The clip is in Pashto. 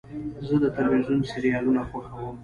زه د تلویزیون سریالونه خوښوم.